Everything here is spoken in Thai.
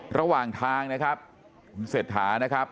ระหว่างทางนะครับเสร็จหานะครับ